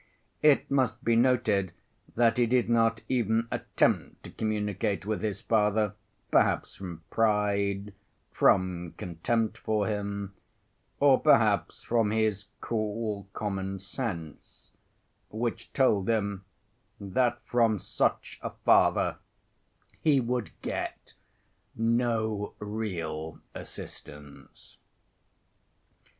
It must be noted that he did not even attempt to communicate with his father, perhaps from pride, from contempt for him, or perhaps from his cool common sense, which told him that from such a father he would get no real assistance.